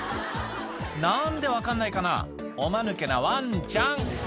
何で分かんないかなおマヌケなワンちゃん！